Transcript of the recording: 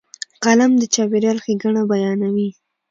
قلم د چاپېریال ښېګڼه بیانوي